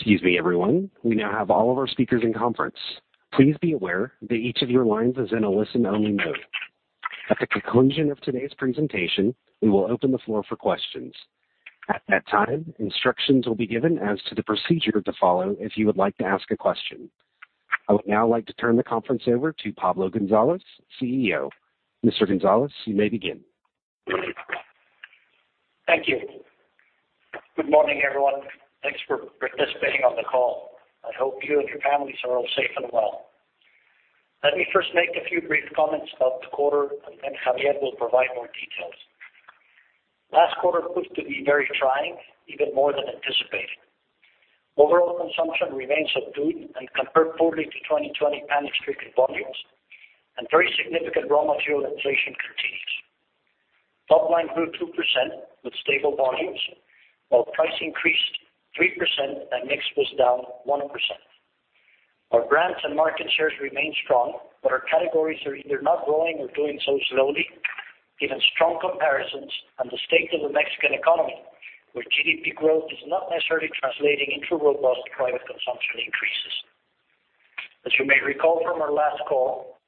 Excuse me, everyone. We now have all of our speakers in conference. Please be aware that each of your lines is in a listen-only mode. At the conclusion of today's presentation, we will open the floor for questions. At that time, instructions will be given as to the procedure to follow if you would like to ask a question. I would now like to turn the conference over to Pablo González, CEO. Mr. González, you may begin. Thank you. Good morning, everyone. Thanks for participating on the call. I hope you and your families are all safe and well. Let me first make a few brief comments about the quarter, and then Xavier will provide more details. Last quarter proved to be very trying, even more than anticipated. Overall consumption remains subdued and compared poorly to 2020 panic-stricken volumes, and very significant raw material inflation continues. Topline grew 2% with stable volumes, while price increased 3% and mix was down 1%. Our brands and market shares remain strong, but our categories are either not growing or doing so slowly, given strong comparisons and the state of the Mexican economy, where GDP growth is not necessarily translating into robust private consumption increases. As you may recall from our last call.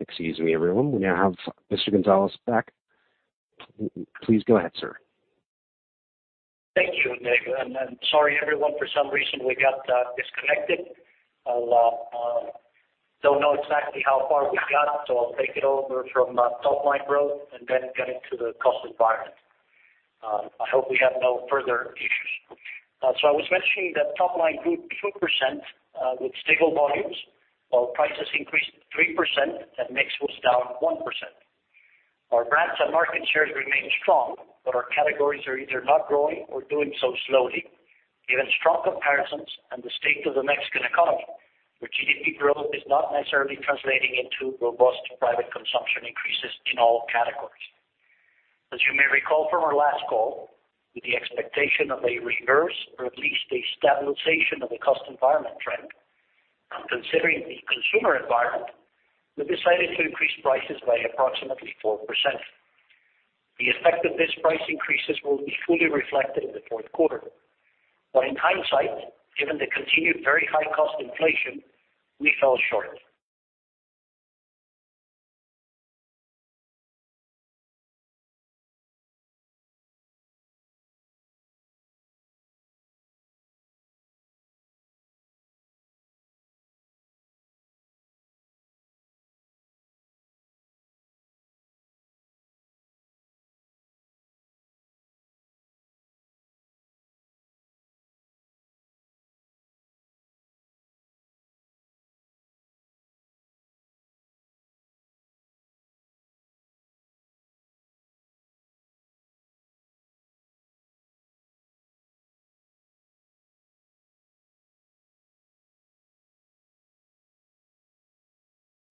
Excuse me, everyone. We now have Mr. González back. Please go ahead, sir. Thank you, Nick. I'm sorry, everyone, for some reason we got disconnected. I don't know exactly how far we got, so I'll take it over from topline growth and then get into the cost environment. I hope we have no further issues. I was mentioning that topline grew 2% with stable volumes, while prices increased 3% and mix was down 1%. Our brands and market shares remain strong, but our categories are either not growing or doing so slowly, given strong comparisons and the state of the Mexican economy, where GDP growth is not necessarily translating into robust private consumption increases in all categories. As you may recall from our last call, with the expectation of a reverse or at least a stabilization of the cost environment trend and considering the consumer environment, we decided to increase prices by approximately 4%. The effect of these price increases will be fully reflected in the fourth quarter. In hindsight, given the continued very high cost inflation, we fell short.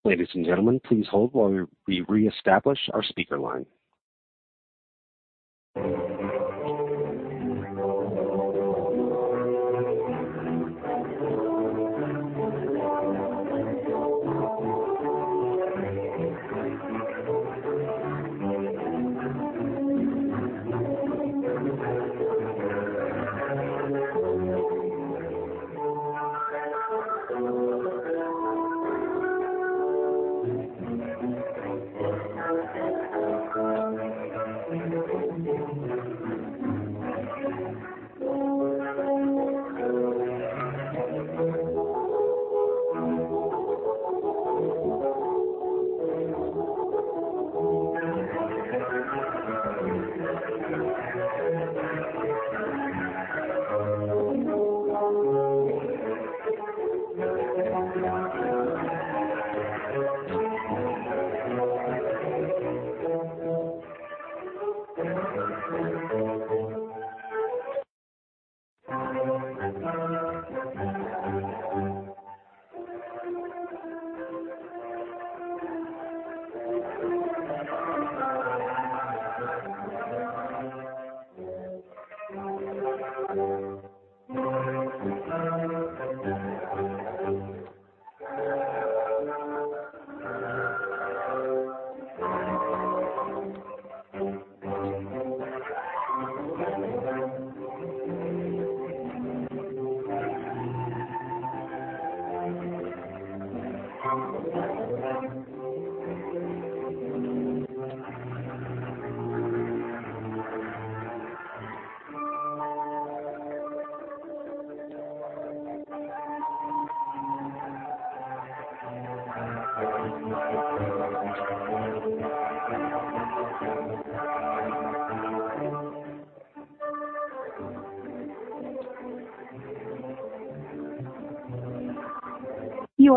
Ladies and gentlemen, please hold while we reestablish our speaker line.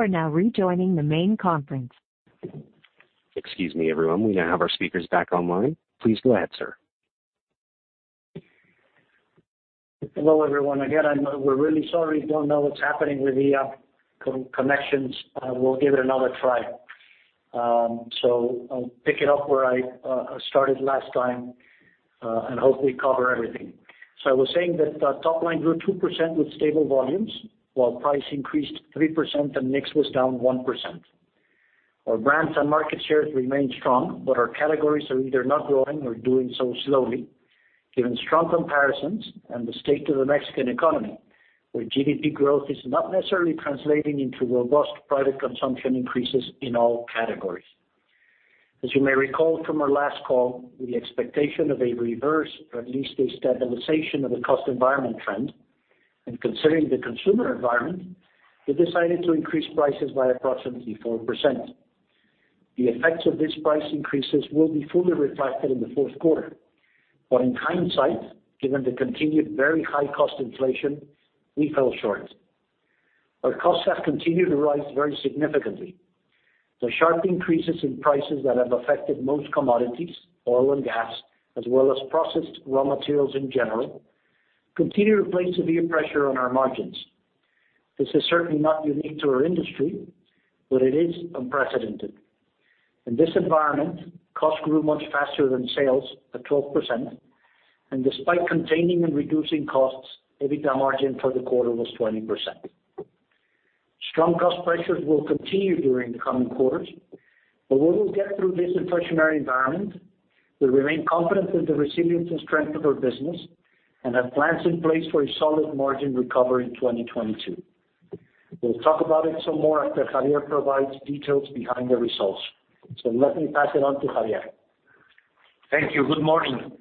You are now rejoining the main conference. Excuse me, everyone. We now have our speakers back online. Please go ahead, sir. Hello, everyone. Again, we're really sorry. Don't know what's happening with the connections. We'll give it another try. I'll pick it up where I started last time and hopefully cover everything. I was saying that our top line grew 2% with stable volumes, while price increased 3% and mix was down 1%. Our brands and market shares remain strong, but our categories are either not growing or doing so slowly, given strong comparisons and the state of the Mexican economy, where GDP growth is not necessarily translating into robust private consumption increases in all categories. As you may recall from our last call, with the expectation of a reverse or at least a stabilization of the cost environment trend, and considering the consumer environment, we decided to increase prices by approximately 4%. The effects of these price increases will be fully reflected in the fourth quarter. In hindsight, given the continued very high cost inflation, we fell short. Our costs have continued to rise very significantly. The sharp increases in prices that have affected most commodities, oil and gas, as well as processed raw materials in general, continue to place severe pressure on our margins. This is certainly not unique to our industry, but it is unprecedented. In this environment, costs grew much faster than sales at 12%, and despite containing and reducing costs, EBITDA margin for the quarter was 20%. Strong cost pressures will continue during the coming quarters, but we will get through this inflationary environment. We remain confident in the resilience and strength of our business and have plans in place for a solid margin recovery in 2022. We'll talk about it some more after Xavier provides details behind the results. Let me pass it on to Xavier. Thank you. Good morning.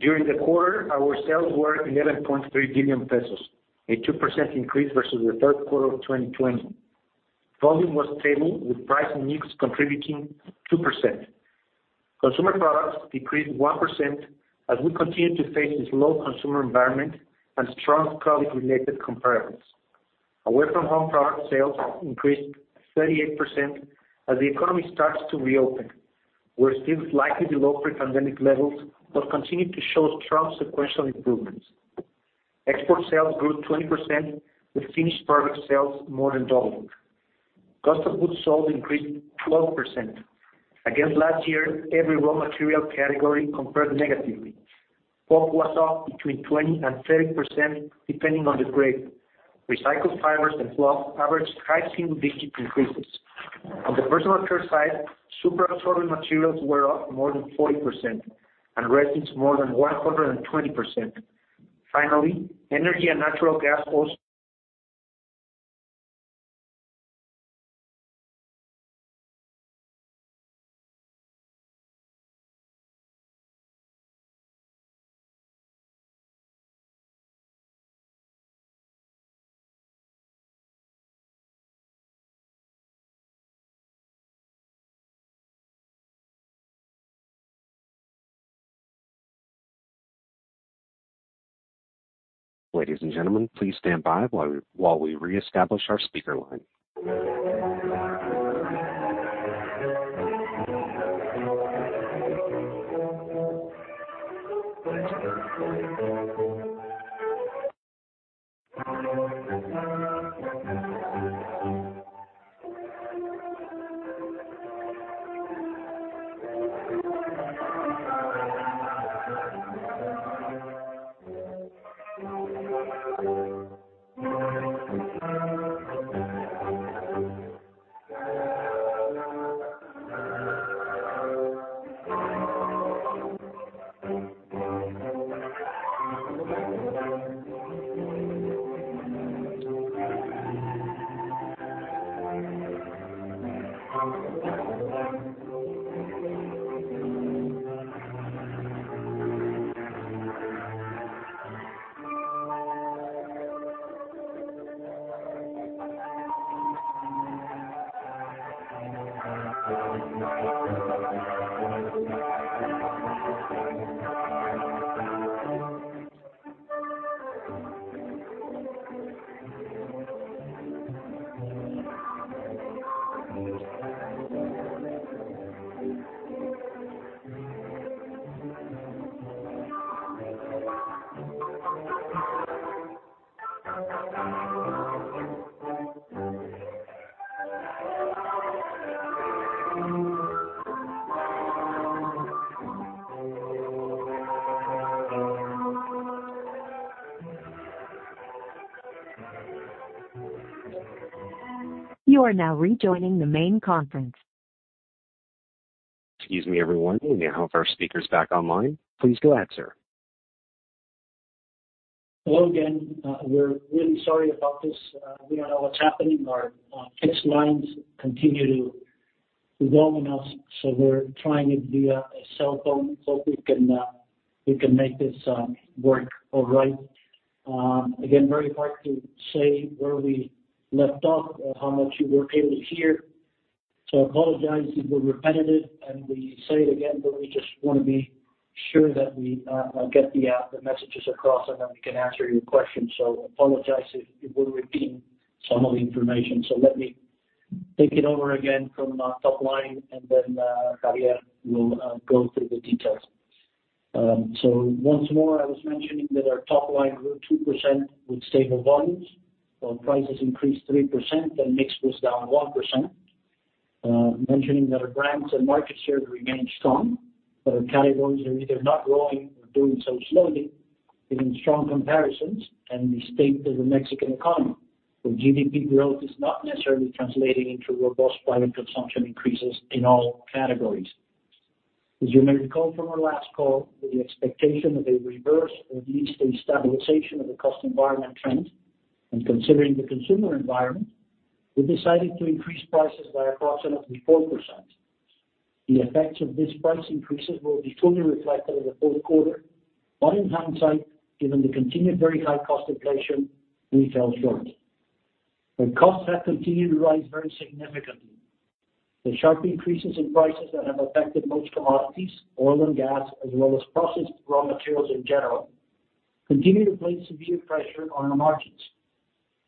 During the quarter, our sales were 11.3 billion pesos, a 2% increase versus the third quarter of 2020. Volume was stable, with price and mix contributing 2%. Consumer products decreased 1% as we continue to face a slow consumer environment and strong COVID-related comparables. Away-from-home product sales increased 38% as the economy starts to reopen. We're still slightly below pre-pandemic levels but continue to show strong sequential improvements. Export sales grew 20%, with finished product sales more than doubled. Cost of goods sold increased 12%. Against last year, every raw material category compared negatively. Pulp was up between 20% and 30%, depending on the grade. Recycled fibers and fluff averaged high single-digit increases. On the personal care side, super absorbent materials were up more than 40%, and resins more than 120%. Finally, energy and natural gas was- Ladies and gentlemen, please stand by while we reestablish our speaker line. You are now rejoining the main conference. Excuse me, everyone. We now have our speakers back online. Please go ahead, sir. Hello again. We're really sorry about this. We don't know what's happening. Our fixed lines continue to be bombing us, so we're trying it via a cellphone, so we can make this work. All right. Again, very hard to say where we left off or how much you were able to hear. Apologize if we're repetitive, and we say it again, but we just want to be sure that we get the messages across, and that we can answer your questions. Apologize if we're repeating some of the information. Let me take it over again from top line, and then Xavier will go through the details. Once more, I was mentioning that our top line grew 2% with stable volumes. Our prices increased 3%, and mix was down 1%. Mentioning that our brands and market share remain strong, but our categories are either not growing or doing so slowly, given strong comparisons and the state of the Mexican economy, where GDP growth is not necessarily translating into robust volume consumption increases in all categories. As you may recall from our last call, the expectation of a reverse, or at least a stabilization of the cost environment trend, and considering the consumer environment, we decided to increase prices by approximately 4%. The effects of these price increases will be fully reflected in the fourth quarter. In hindsight, given the continued very high cost inflation, we fell short. Costs have continued to rise very significantly. The sharp increases in prices that have affected most commodities, oil and gas, as well as processed raw materials in general, continue to place severe pressure on our margins.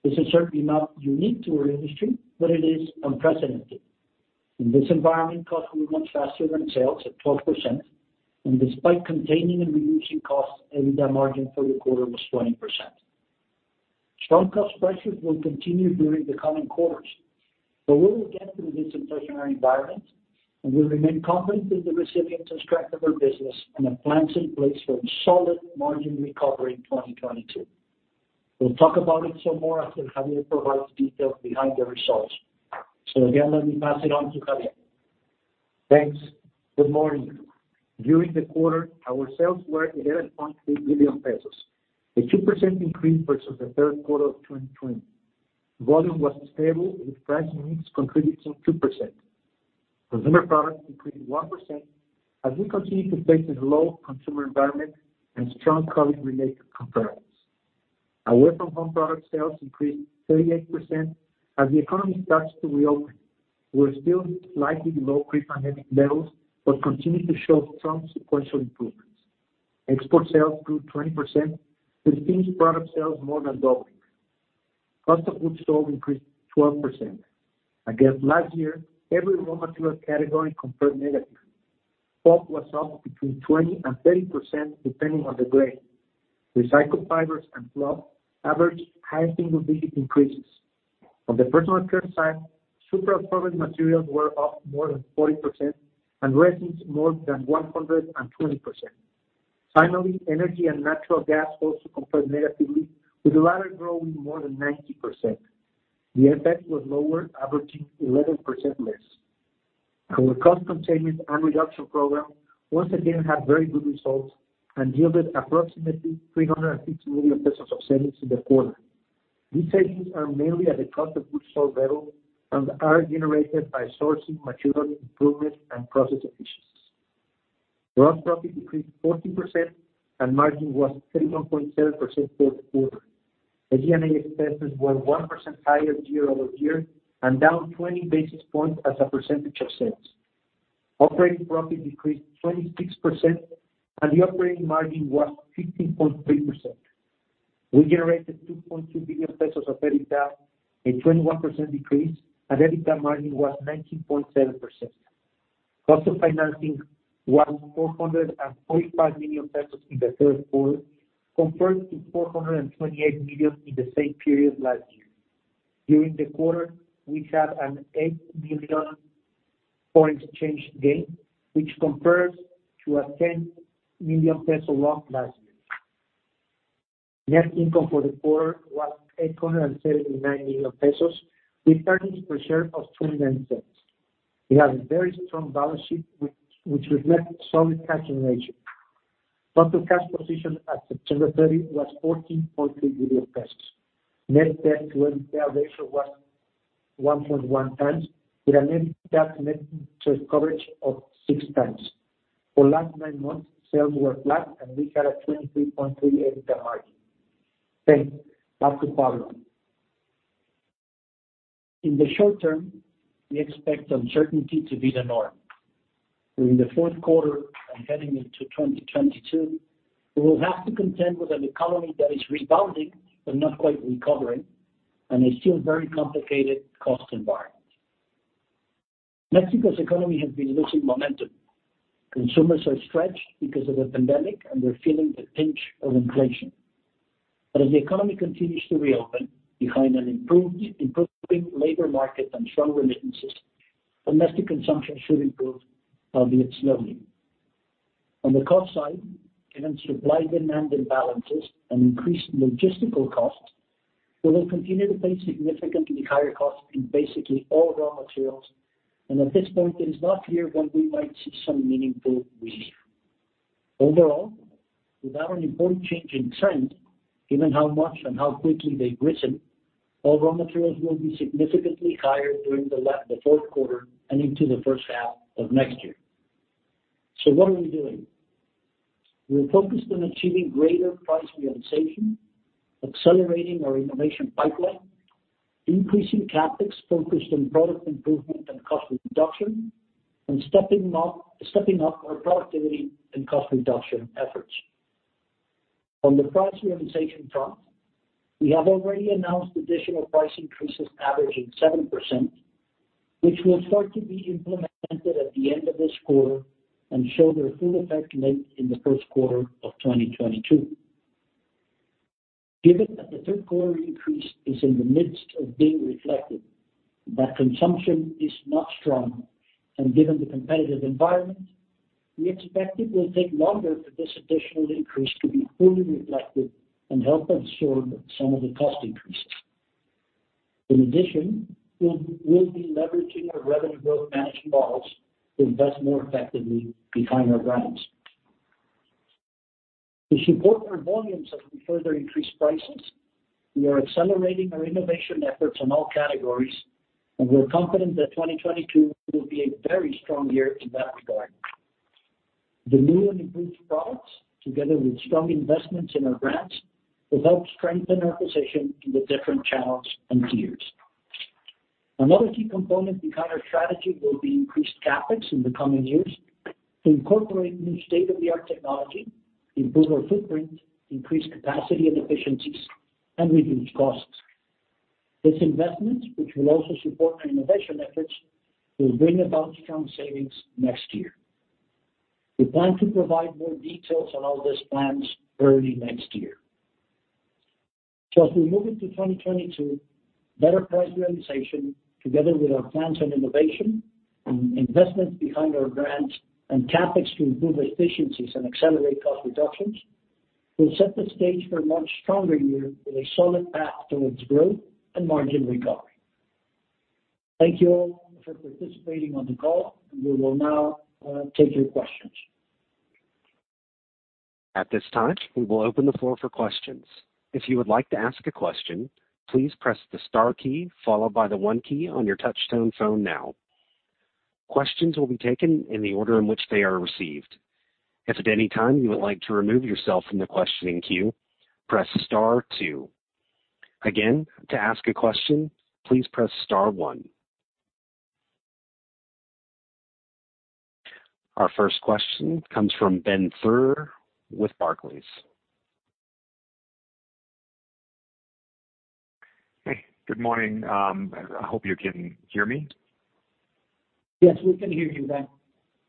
This is certainly not unique to our industry, but it is unprecedented. In this environment, costs grew much faster than sales at 12%, and despite containing and reducing costs, EBITDA margin for the quarter was 20%. Strong cost pressures will continue during the coming quarters, but we will get through this inflationary environment, and we remain confident in the resilience and strength of our business, and the plans in place for a solid margin recovery in 2022. We'll talk about it some more after Xavier provides details behind the results. Again, let me pass it on to Xavier. Thanks. Good morning. During the quarter, our sales were 11.3 billion pesos, a 2% increase versus the third quarter of 2020. Volume was stable, with price mix contributing 2%. Consumer products increased 1% as we continue to face a low consumer environment and strong COVID-related comparisons. Away-from-home product sales increased 38% as the economy starts to reopen. We're still slightly below pre-pandemic levels, continue to show strong sequential improvements. Export sales grew 20%, with finished product sales more than doubling. Cost of wood pulp increased 12%. Against last year, every raw material category compared negative. Pulp was up between 20% and 30%, depending on the grade. Recycled fibers and fluff averaged high single-digit increases. On the personal care side, super absorbent materials were up more than 40%, and resins more than 120%. Finally, energy and natural gas also compared negatively, with the latter growing more than 90%. The effect was lower, averaging 11% less. Our cost containment and reduction program once again had very good results and yielded approximately 350 million pesos of savings in the quarter. These savings are mainly at the cost of goods sold level and are generated by sourcing material improvement and process efficiencies. Gross profit decreased 14%, and margin was 31.7% for the quarter. SG&A expenses were 1% higher year-over-year and down 20 basis points as a percentage of sales. Operating profit decreased 26%, and the operating margin was 15.3%. We generated 2.2 billion pesos of EBITDA, a 21% decrease, and EBITDA margin was 19.7%. Cost of financing was 445 million pesos in the third quarter, compared to 428 million in the same period last year. During the quarter, we had an 8 million foreign exchange gain, which compares to an 10 million pesos loss last year. Net income for the quarter was 879 million pesos, with earnings per share of 0.29. We have a very strong balance sheet, which reflects solid cash generation. Total cash position at September 30 was 14.3 billion pesos. net debt to EBITDA ratio was 1.1 times, with a net debt to interest coverage of six times. For the last nine months, sales were flat, and we had a 23.3% EBITDA margin. Thanks. Back to Pablo. In the short term, we expect uncertainty to be the norm. During the fourth quarter and heading into 2022, we will have to contend with an economy that is rebounding but not quite recovering and a still very complicated cost environment. Mexico's economy has been losing momentum. Consumers are stretched because of the pandemic, and they're feeling the pinch of inflation. As the economy continues to reopen behind an improving labor market and strong remittances, domestic consumption should improve, albeit slowly. On the cost side, given supply-demand imbalances and increased logistical costs, we will continue to face significantly higher costs in basically all raw materials. At this point, it is not clear when we might see some meaningful relief. Overall, without an important change in trend, given how much and how quickly they've risen, all raw materials will be significantly higher during the fourth quarter and into the first half of next year. What are we doing? We are focused on achieving greater price realization, accelerating our innovation pipeline, increasing CapEx focused on product improvement and cost reduction, and stepping up our productivity and cost reduction efforts. On the price realization front, we have already announced additional price increases averaging 7%, which will start to be implemented at the end of this quarter and show their full effect late in the first quarter of 2022. Given that the third quarter increase is in the midst of being reflected, that consumption is not strong, and given the competitive environment, we expect it will take longer for this additional increase to be fully reflected and help absorb some of the cost increases. In addition, we'll be leveraging our revenue growth management models to invest more effectively behind our brands. To support our volumes as we further increase prices, we are accelerating our innovation efforts in all categories, and we are confident that 2022 will be a very strong year in that regard. The new and improved products, together with strong investments in our brands, will help strengthen our position in the different channels and tiers. Another key component behind our strategy will be increased CapEx in the coming years to incorporate new state-of-the-art technology, improve our footprint, increase capacity and efficiencies, and reduce costs. This investment, which will also support our innovation efforts, will bring about strong savings next year. We plan to provide more details on all these plans early next year. As we move into 2022, better price realization together with our plans on innovation and investments behind our brands and CapEx to improve efficiencies and accelerate cost reductions, will set the stage for a much stronger year with a solid path towards growth and margin recovery. Thank you all for participating on the call, and we will now take your questions. Our first question comes from Ben Theurer with Barclays. Hey, good morning. I hope you can hear me. Yes, we can hear you, Ben.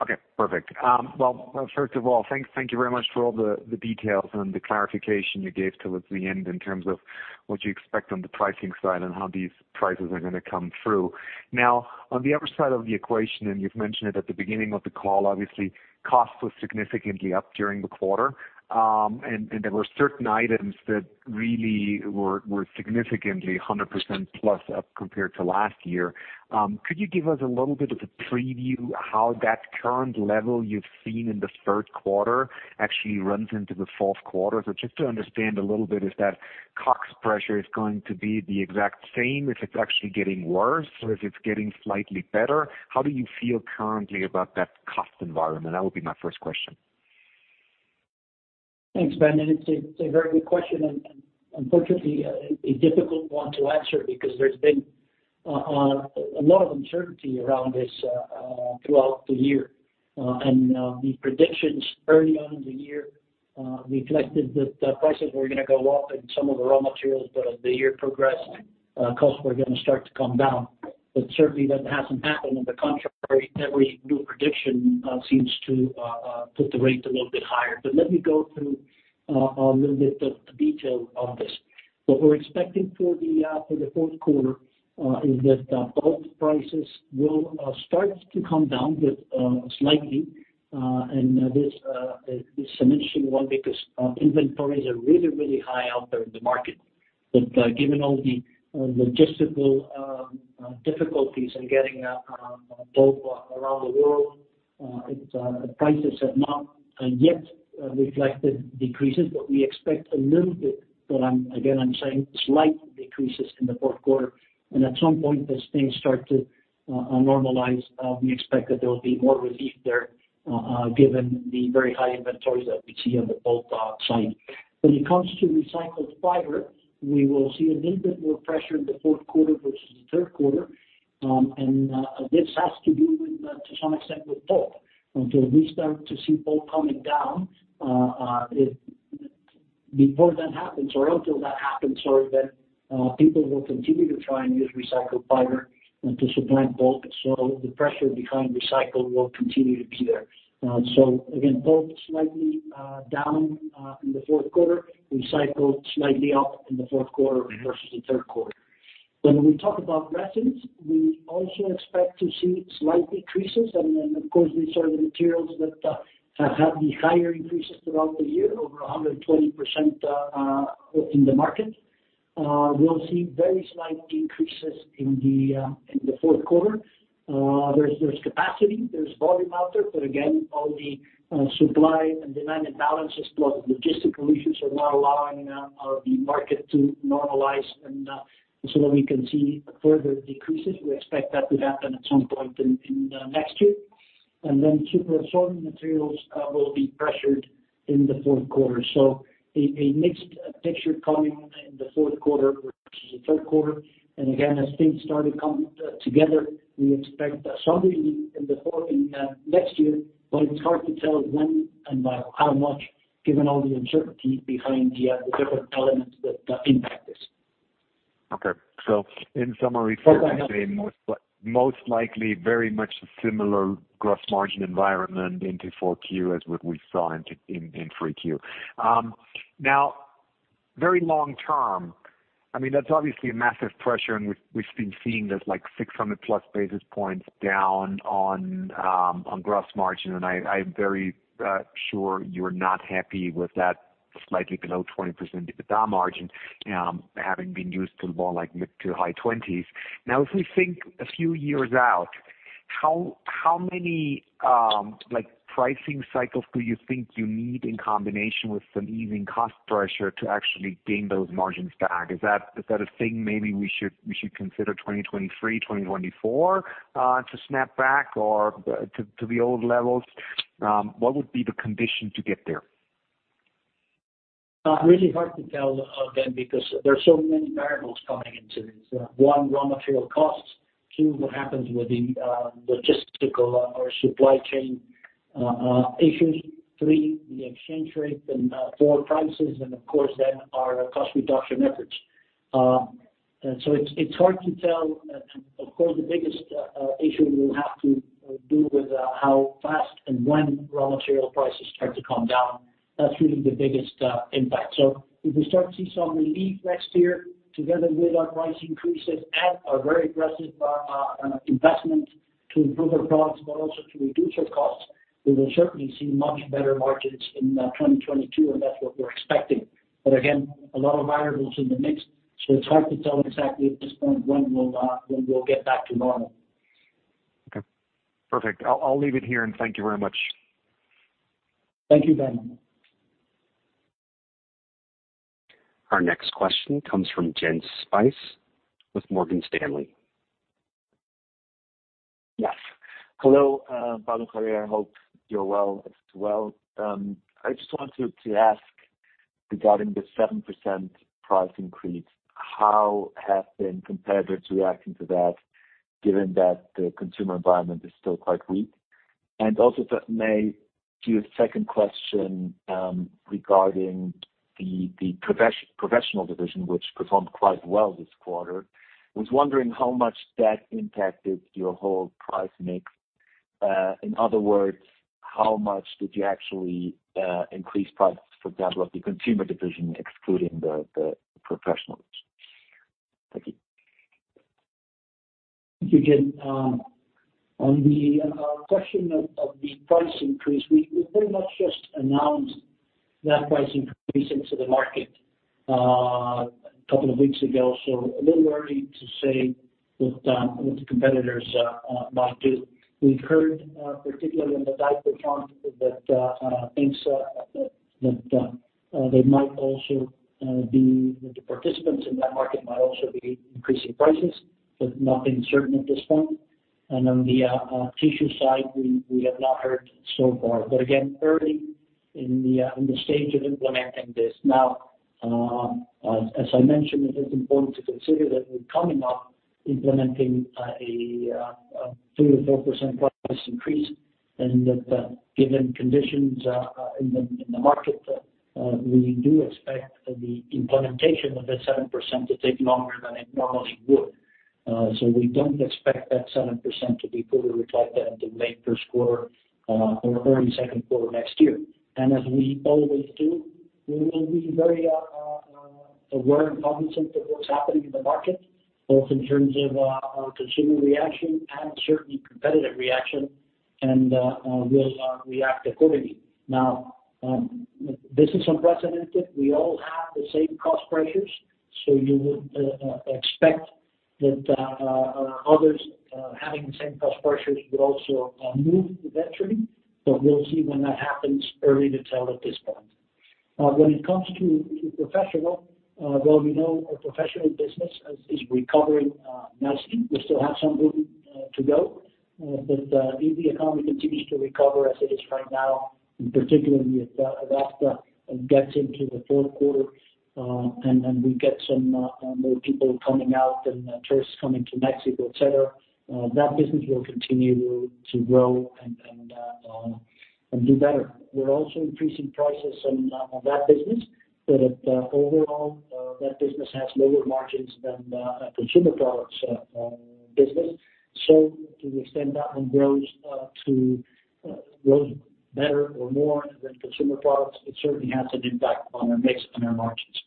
Okay, perfect. Well, first of all, thank you very much for all the details and the clarification you gave towards the end in terms of what you expect on the pricing side and how these prices are going to come through. On the other side of the equation, and you've mentioned it at the beginning of the call, obviously, cost was significantly up during the quarter, and there were certain items that really were significantly 100% plus up compared to last year. Could you give us a little bit of a preview how that current level you've seen in the third quarter actually runs into the fourth quarter? Just to understand a little bit, is that cost pressure is going to be the exact same, if it's actually getting worse, or if it's getting slightly better? How do you feel currently about that cost environment? That would be my first question. Thanks, Ben. It's a very good question and, unfortunately, a difficult one to answer because there's been a lot of uncertainty around this throughout the year. The predictions early on in the year reflected that the prices were going to go up in some of the raw materials, but as the year progressed, costs were going to start to come down. Certainly, that hasn't happened. On the contrary, every new prediction seems to put the rate a little bit higher. Let me go through a little bit the detail of this. What we're expecting for the fourth quarter is that pulp prices will start to come down slightly. This is an interesting one because inventories are really high out there in the market. Given all the logistical difficulties in getting pulp around the world, its prices have not yet reflected decreases, but we expect a little bit. Again, I'm saying slight decreases in the fourth quarter. At some point, as things start to normalize, we expect that there will be more relief there, given the very high inventories that we see on the pulp side. When it comes to recycled fiber, we will see a little bit more pressure in the fourth quarter versus the third quarter. This has to do with, to some extent, with pulp. Until we start to see pulp coming down, before that happens or until that happens, sorry, then people will continue to try and use recycled fiber to supplant pulp. The pressure behind recycled will continue to be there. Again, pulp slightly down in the fourth quarter, recycled slightly up in the fourth quarter versus the third quarter. When we talk about resins, we also expect to see slight decreases. Then, of course, these are the materials that have had the higher increases throughout the year, over 120% up in the market. We'll see very slight decreases in the fourth quarter. There's capacity, there's volume out there, but again, all the supply and demand imbalances, plus logistical issues, are not allowing the market to normalize and so that we can see further decreases. We expect that to happen at some point in next year. Then super absorbing materials will be pressured in the fourth quarter. A mixed picture coming in the fourth quarter versus the third quarter. Again, as things start to come together, we expect some relief in next year, but it's hard to tell when and by how much, given all the uncertainty behind the different elements that impact this. Okay. In summary, fair to say most likely very much a similar gross margin environment into 4Q as what we saw in 3Q. Very long term, I mean, that's obviously a massive pressure and we've been seeing this like 600+ basis points down on gross margin, and I am very sure you are not happy with that slightly below 20% EBITDA margin, having been used to more like mid to high 20s. If we think a few years out, how many pricing cycles do you think you need in combination with some easing cost pressure to actually gain those margins back? Is that a thing maybe we should consider 2023, 2024, to snap back or to the old levels? What would be the condition to get there? Really hard to tell, again, because there are so many variables coming into this. One, raw material costs. Two, what happens with the logistical or supply chain issues. Three, the exchange rate, and four, prices and of course then our cost reduction efforts. It's hard to tell. Of course, the biggest issue we will have to deal with how fast and when raw material prices start to come down. That's really the biggest impact. If we start to see some relief next year together with our price increases and our very aggressive investment to improve our products but also to reduce our costs, we will certainly see much better margins in 2022, and that's what we're expecting. Again, a lot of variables in the mix, so it's hard to tell exactly at this point when we'll get back to normal. Okay, perfect. I'll leave it here, and thank you very much. Thank you, Ben. Our next question comes from Jens Spiess with Morgan Stanley. Yes. Hello, Pablo and Xavier. I hope you're well as well. I just wanted to ask regarding the 7% price increase, how have been competitors reacting to that given that the consumer environment is still quite weak? Also, if I may, to your second question regarding the Professional division, which performed quite well this quarter. I was wondering how much that impacted your whole price mix. In other words, how much did you actually increase prices, for example, at the consumer division, excluding the Professional? Thank you. Thank you, Jens. On the question of the price increase, we very much just announced that price increase into the market a couple of weeks ago. A little early to say what the competitors might do. We've heard, particularly in the diaper front, that the participants in that market might also be increasing prices, but nothing certain at this point. On the tissue side, we have not heard so far. Again, early in the stage of implementing this. Now, as I mentioned, it is important to consider that we're coming off implementing a 3%-4% price increase, and that given conditions in the market, we do expect the implementation of that 7% to take longer than it normally would. We don't expect that 7% to be fully reflected until late first quarter or early second quarter next year. As we always do, we will be very aware and cognizant of what's happening in the market, both in terms of consumer reaction and certainly competitive reaction, and will react accordingly. This is unprecedented. We all have the same cost pressures, so you would expect that others having the same cost pressures would also move eventually. We'll see when that happens. Early to tell at this point. When it comes to Professional, well, we know our Professional business is recovering nicely. We still have some room to go. If the economy continues to recover as it is right now, in particular in the U.S., as that gets into the fourth quarter, and we get some more people coming out and tourists coming to Mexico, et cetera, that business will continue to grow and do better. We're also increasing prices on that business, overall, that business has lower margins than our consumer products business. To the extent that one grows better or more than consumer products, it certainly has an impact on our mix and our margins.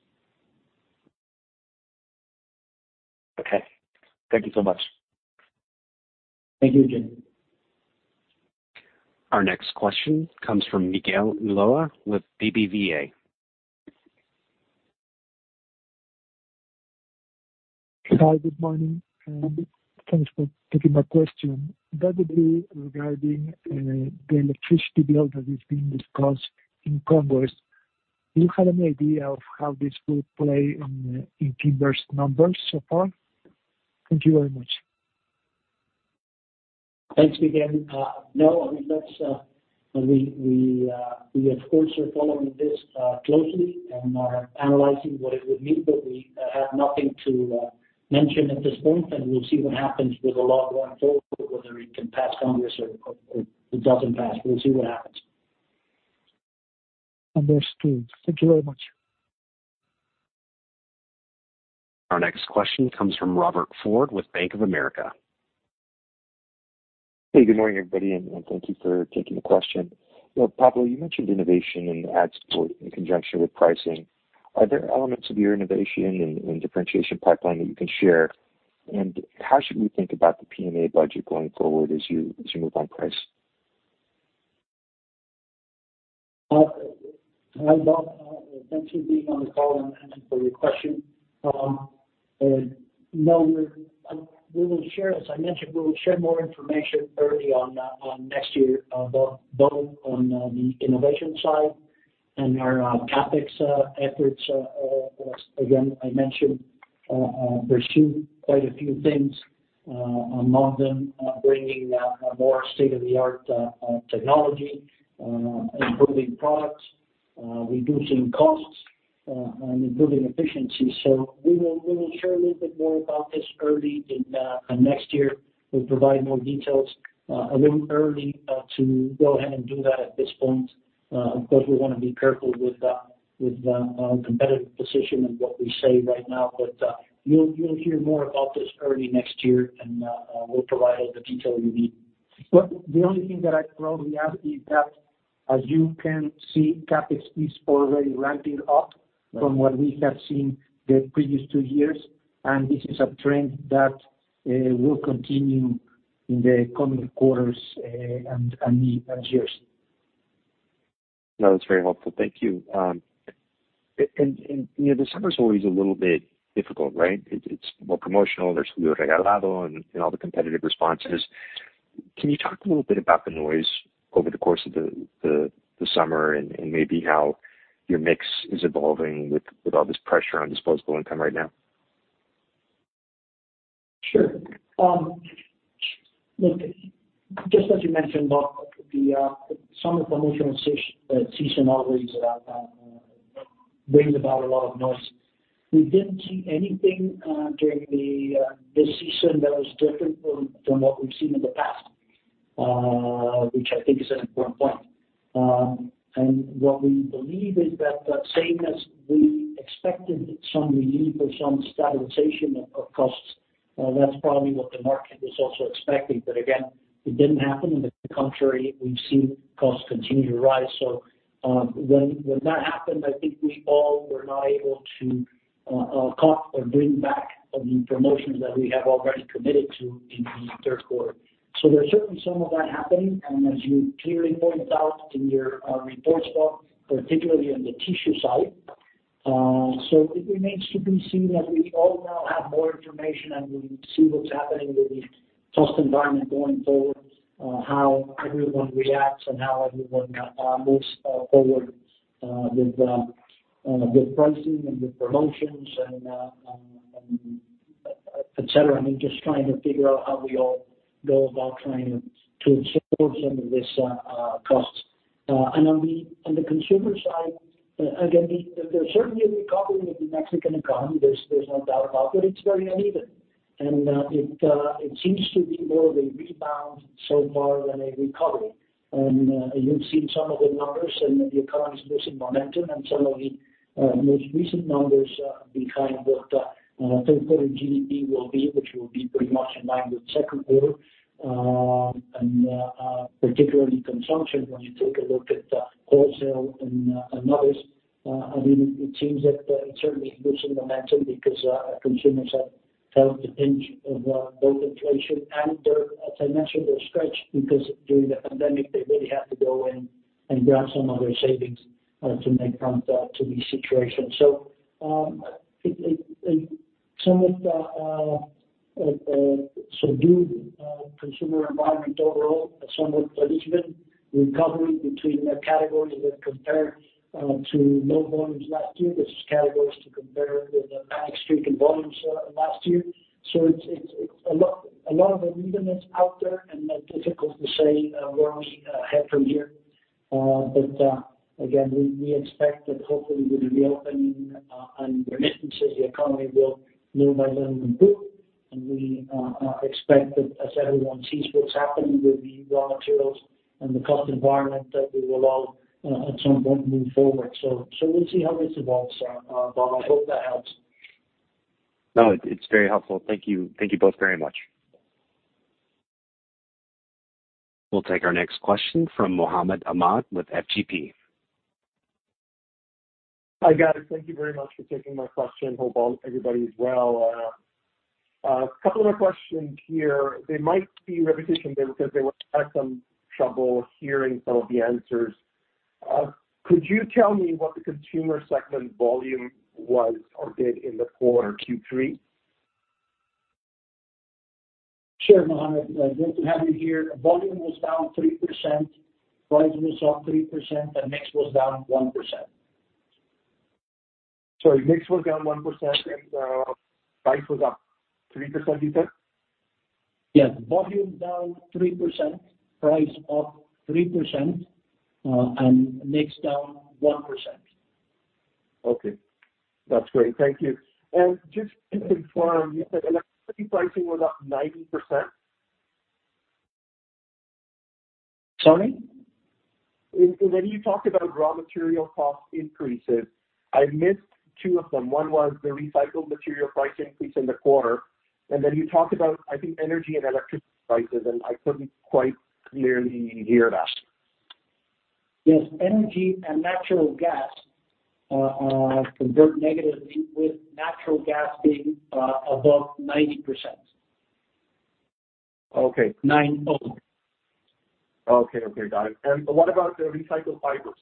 Okay. Thank you so much. Thank you, Jens. Our next question comes from Miguel Ulloa with BBVA. Hi, good morning, and thanks for taking my question. Regarding the electricity bill that is being discussed in Congress, do you have any idea of how this will play in Kimberly's numbers so far? Thank you very much. Thanks, Miguel. No, we, of course, are following this closely and are analyzing what it would mean, but we have nothing to mention at this point, and we'll see what happens with the law going forward, whether it can pass Congress or it doesn't pass. We'll see what happens. Understood. Thank you very much. Our next question comes from Robert Ford with Bank of America. Hey, good morning, everybody, and thank you for taking the question. Well, Pablo, you mentioned innovation and ad support in conjunction with pricing. Are there elements of your innovation and differentiation pipeline that you can share? How should we think about the A&P budget going forward as you move on price? Hi, Robert. Thanks for being on the call and thank you for your question. As I mentioned, we will share more information early on next year, both on the innovation side and our CapEx efforts. Again, I mentioned, pursue quite a few things, among them bringing more state-of-the-art technology, improving products, reducing costs, and improving efficiency. We will share a little bit more about this early in the next year. We'll provide more details. A little early to go ahead and do that at this point. Of course, we want to be careful with our competitive position and what we say right now. You'll hear more about this early next year, and we'll provide all the detail you need. The only thing that I'd probably add is that as you can see, CapEx is already ramping up from what we have seen the previous two years, and this is a trend that will continue in the coming quarters and years. No, that's very helpful. Thank you. December's always a little bit difficult, right? It's more promotional. There's and all the competitive responses. Can you talk a little bit about the noise over the course of the summer and maybe how your mix is evolving with all this pressure on disposable income right now? Sure. Look, just as you mentioned, Bob, some promotional season always brings about a lot of noise. We didn't see anything during this season that was different from what we've seen in the past, which I think is an important point. What we believe is that same as we expected some relief or some stabilization of costs, that's probably what the market was also expecting. Again, it didn't happen. On the contrary, we've seen costs continue to rise. When that happened, I think we all were not able to cut or bring back the promotions that we have already committed to in the third quarter. There's certainly some of that happening, as you clearly pointed out in your reports, Bob, particularly on the tissue side. It remains to be seen as we all now have more information and we see what's happening with the cost environment going forward, how everyone reacts and how everyone moves forward with good pricing and good promotions and et cetera. I mean, just trying to figure out how we all go about trying to absorb some of these costs. On the consumer side, again, there's certainly a recovery of the Mexican economy, there's no doubt about that. It's very uneven. It seems to be more of a rebound so far than a recovery. You've seen some of the numbers and the economy is losing momentum and some of the most recent numbers behind what third quarter GDP will be, which will be pretty much in line with second quarter, and particularly consumption when you take a look at wholesale and others. I mean, it seems that it certainly is losing momentum because consumers have felt the pinch of both inflation and their financial stretch, because during the pandemic, they really had to go in and grab some of their savings to make front to the situation. A somewhat subdued consumer environment overall, a somewhat uneven recovery between the categories that compare to low volumes last year versus categories to compare with the panic-stricken volumes last year. It's a lot of unevenness out there and difficult to say where we head from here. Again, we expect that hopefully with the reopening and remittances, the economy will little by little improve. We expect that as everyone sees what's happening with the raw materials and the cost environment, that we will all at some point move forward. We'll see how this evolves. Bob, I hope that helps. No, it's very helpful. Thank you. Thank you both very much. We'll take our next question from Mohammed Ahmad with FGP. Hi, guys. Thank you very much for taking my question. Hope everybody is well. A couple of questions here. They might be repetition because I had some trouble hearing some of the answers. Could you tell me what the consumer segment volume was or did in the quarter Q3? Sure, Mohammed. Good to have you here. Volume was down 3%, price was up 3%, and mix was down 1%. Sorry, mix was down 1% and price was up 3%, you said? Yes. Volume down 3%, price up 3%, and mix down 1%. Okay. That's great. Thank you. Just to confirm, you said electricity pricing was up 90%? Sorry? When you talked about raw material cost increases, I missed two of them. One was the recycled material price increase in the quarter, and then you talked about, I think, energy and electricity prices, and I couldn't quite clearly hear that. Yes, energy and natural gas convert negatively with natural gas being above 90%. Okay. 90. Okay. Got it. What about the recycled fibers?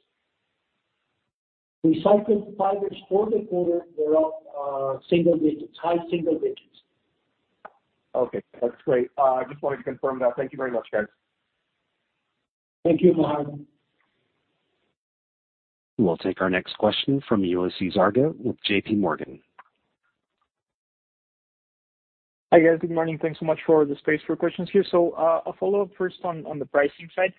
Recycled fibers for the quarter were up high single digits. Okay. That's great. Just wanted to confirm that. Thank you very much, guys. Thank you, Mohammed. We'll take our next question from Ulises Argote with JPMorgan. Hi, guys. Good morning. Thanks so much for the space for questions here. A follow-up first on the pricing side.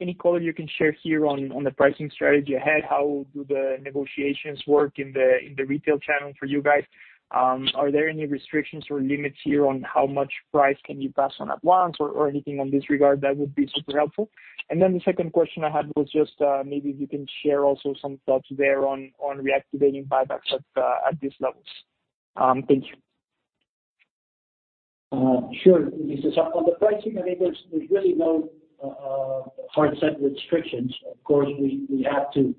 Any color you can share here on the pricing strategy ahead, how do the negotiations work in the retail channel for you guys? Are there any restrictions or limits here on how much price can you pass on at once or anything on this regard? That would be super helpful. The second question I had was just maybe if you can share also some thoughts there on reactivating buybacks at these levels. Thank you. Sure, Ulises. On the pricing, I mean, there's really no hard set restrictions. Of course, we have to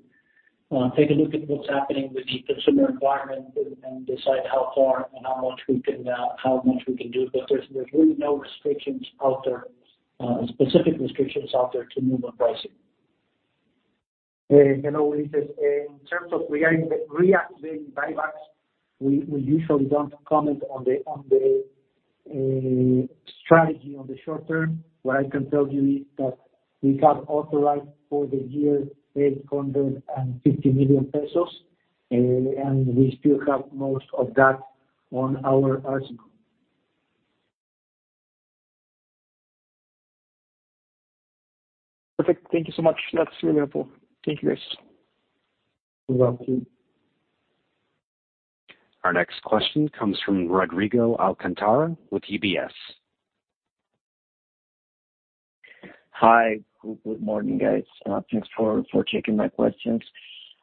take a look at what's happening with the consumer environment and decide how far and how much we can do. There's really no restrictions out there, specific restrictions out there to move on pricing. Ulises, in terms of reactivating buybacks, we usually don't comment on the strategy on the short term. What I can tell you is that we have authorized for the year 850 million pesos, and we still have most of that on our arsenal. Perfect. Thank you so much. That's really helpful. Thank you, guys. You're welcome. Our next question comes from Rodrigo Alcántara with UBS. Hi. Good morning, guys. Thanks for taking my questions.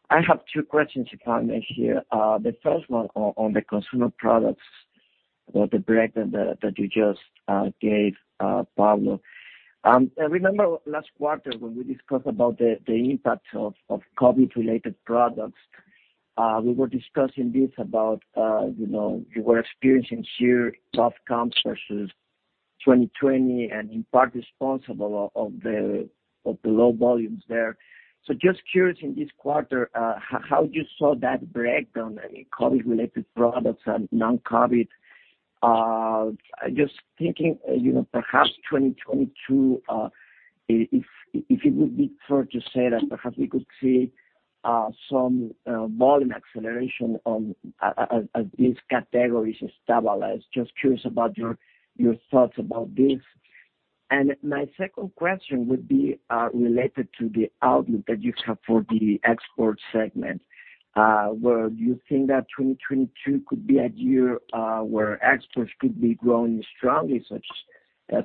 I have two questions, if I may here. The first one on the consumer products, the breakdown that you just gave, Pablo. I remember last quarter when we discussed about the impact of COVID-related products. We were discussing this about, you know, you were experiencing here tough comps versus 2020 and in part responsible of the low volumes there. Just curious in this quarter, how you saw that breakdown, I mean, COVID-related products and non-COVID. Just thinking, perhaps 2022, if it would be fair to say that perhaps we could see some volume acceleration as these categories stabilize. Just curious about your thoughts about this. My second question would be related to the outlook that you have for the export segment. Do you think that 2022 could be a year where exports could be growing strongly,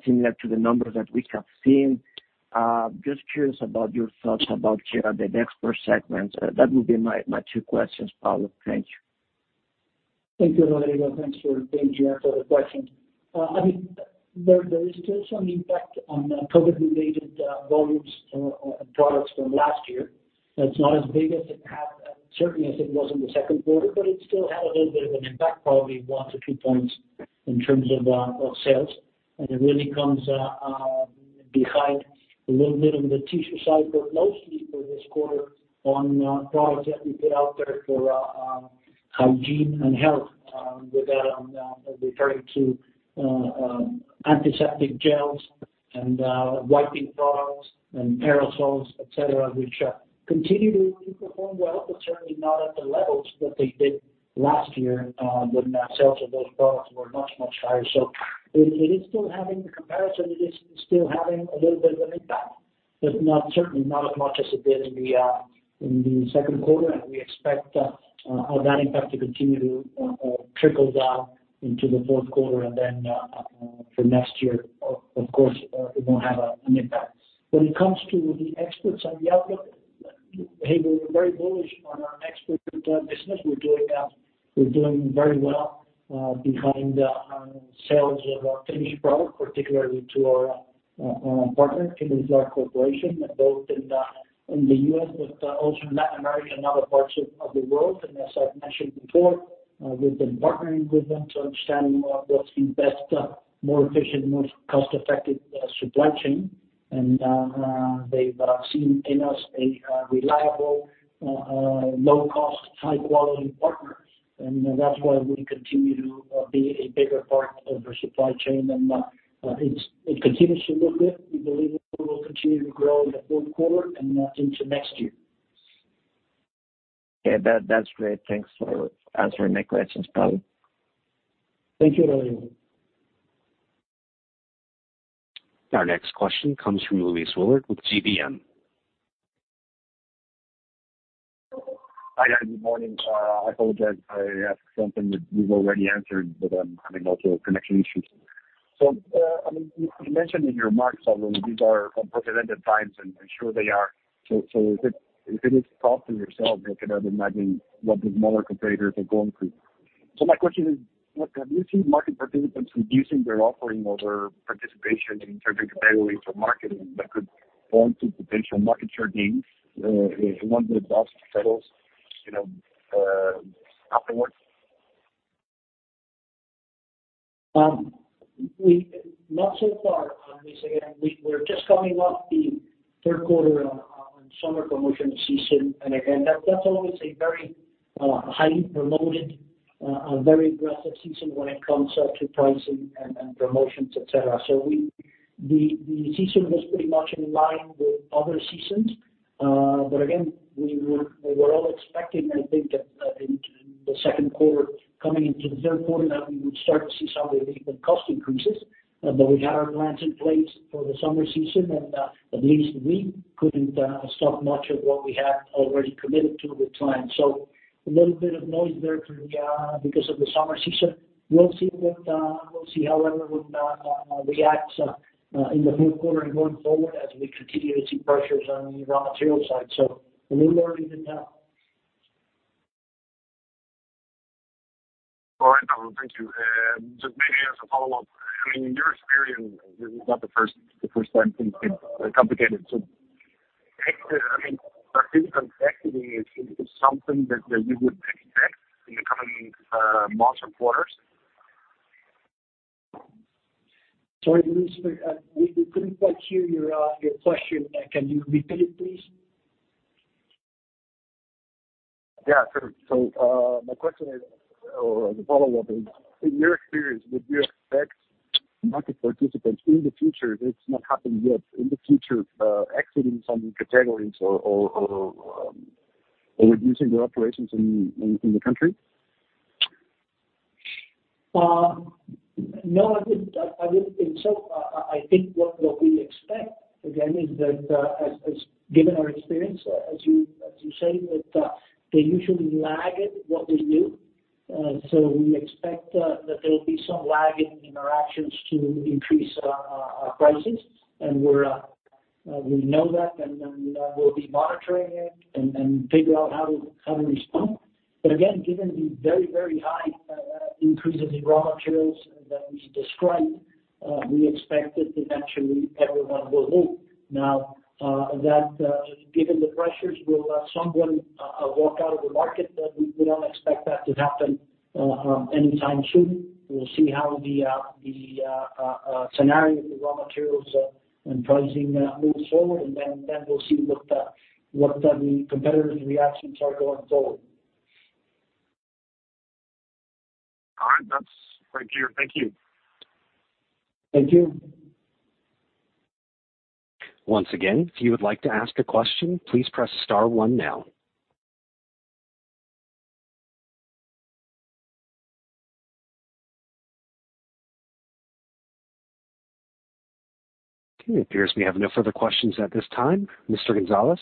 similar to the numbers that we have seen? Just curious about your thoughts about the export segment. That would be my two questions, Pablo. Thank you. Thank you, Rodrigo. Thanks for being here for the questions. There is still some impact on COVID-related volumes or products from last year. It's not as big, certainly as it was in the second quarter, but it still had a little bit of an impact, probably one to two points in terms of sales. It really comes behind a little bit on the tissue side, but mostly for this quarter on products that we put out there for hygiene and health, with that I'm referring to antiseptic gels and wiping products and aerosols, et cetera, which continue to perform well, but certainly not at the levels that they did last year when sales of those products were much, much higher. In comparison, it is still having a little bit of an impact, but certainly not as much as it did in the second quarter. We expect that impact to continue to trickle down into the fourth quarter and then for next year, of course, it won't have an impact. When it comes to the exports and the outlook, hey, we're very bullish on our export business. We're doing very well behind the sales of our finished product, particularly to our partner, Kimberly-Clark Corporation, both in the U.S., but also Latin America and other parts of the world. As I've mentioned before, we've been partnering with them to understand what's the best, more efficient, more cost-effective supply chain. They've seen in us a reliable, low-cost, high-quality partner, and that's why we continue to be a bigger part of their supply chain. It continues to look good. We believe it will continue to grow in the fourth quarter and into next year. Okay. That's great. Thanks for answering my questions, Pablo. Thank you, Rodrigo. Our next question comes from Luis Willard with GBM. Hi, guys. Good morning. I apologize if I ask something that you've already answered, but I'm having lots of connection issues. You mentioned in your remarks, Pablo, these are unprecedented times, and I'm sure they are. If it is tough for yourself, I cannot imagine what the smaller competitors are going through. My question is, have you seen market participants reducing their offering or their participation in certain categories or marketing that could form some potential market share gains once it evolves, settles afterwards? Not so far, Luis. Again, we're just coming off the third quarter on summer promotion season. That's always a very highly promoted, very aggressive season when it comes to pricing and promotions, et cetera. The season was pretty much in line with other seasons. Again, we were all expecting, I think, that in the second quarter coming into the third quarter, that we would start to see some of the input cost increases. We had our plans in place for the summer season, and at least we couldn't stop much of what we had already committed to with clients. A little bit of noise there because of the summer season. We'll see how everyone reacts in the fourth quarter and going forward as we continue to see pressures on the raw material side. We'll learn as we go. All right, Pablo, thank you. Just maybe as a follow-up, in your experience, this is not the first time things get complicated. I think, participants exiting is something that you would expect in the coming months or quarters? Sorry, Luis. We couldn't quite hear your question. Can you repeat it, please? Yeah, sure. My question is, or the follow-up is, in your experience, would you expect market participants in the future, it's not happened yet, in the future exiting some categories or reducing their operations in the country? No, I think what we expect, again, is that, given our experience, as you say, that they usually lag it, what we do. We expect that there will be some lag in interactions to increase our prices. We know that, and we'll be monitoring it and figure out how to respond. Again, given the very, very high increase in the raw materials that we described, we expect that eventually everyone will move. Now, that given the pressures, will someone walk out of the market? We don't expect that to happen anytime soon. We'll see how the scenario with the raw materials and pricing moves forward, and then we'll see what the competitors' reactions are going forward. All right. That's great to hear. Thank you. Thank you. Once again, if you would like to ask a question, please press star one now. Okay, it appears we have no further questions at this time. Mr. González,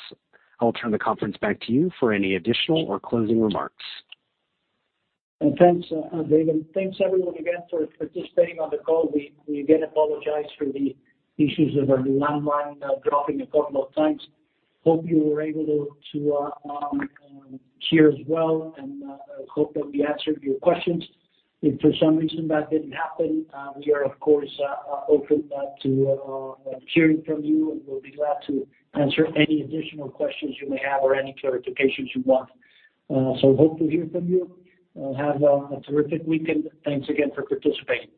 I will turn the conference back to you for any additional or closing remarks. Thanks, again. Thanks everyone again for participating on the call. We again apologize for the issues of our landline dropping a couple of times. Hope you were able to hear as well, and hope that we answered your questions. If for some reason that didn't happen, we are of course open to hearing from you, and we'll be glad to answer any additional questions you may have or any clarifications you want. Hope to hear from you. Have a terrific weekend. Thanks again for participating.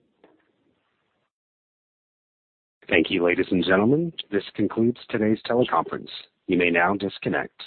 Thank you, ladies and gentlemen. This concludes today's teleconference. You may now disconnect.